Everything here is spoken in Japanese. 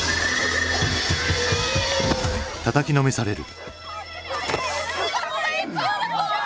たたきのめされる。